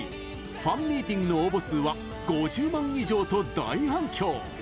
ファンミーティングの応募数は５０万以上と大反響。